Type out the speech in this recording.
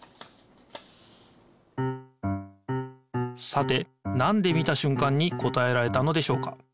さてなんで見たしゅんかんに答えられたのでしょうか？